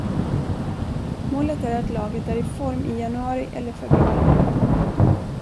Målet är att laget är i form i januari eller februari.